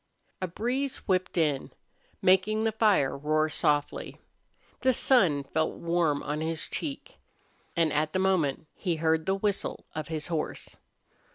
A breeze whipped in, making the fire roar softly. The sun felt warm on his cheek. And at the moment he heard the whistle of his horse.